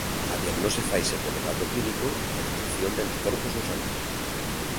A diagnose faise polo cadro clínico e a detección de anticorpos no sangue.